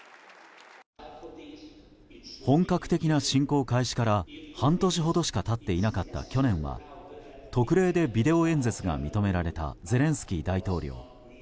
本格的な侵攻開始から半年ほどしか経っていなかった去年は特例でビデオ演説が認められたゼレンスキー大統領。